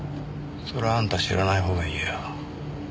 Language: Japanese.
それはあんた知らない方がいいよ。